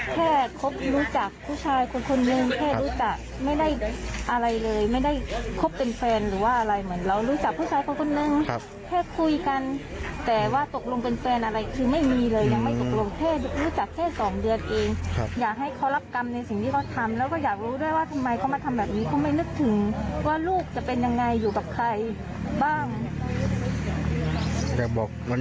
แค่คบรู้จักผู้ชายคนคนหนึ่งแค่รู้จักไม่ได้อะไรเลยไม่ได้คบเป็นแฟนหรือว่าอะไรเหมือนเรารู้จักผู้ชายคนนึงแค่คุยกันแต่ว่าตกลงเป็นแฟนอะไรคือไม่มีเลยยังไม่ตกลงแค่รู้จักแค่สองเดือนเองอยากให้เขารับกรรมในสิ่งที่เขาทำแล้วก็อยากรู้ด้วยว่าทำไมเขามาทำแบบนี้เขาไม่นึกถึงว่าลูกจะเป็นยังไงอยู่กับใครบ้าง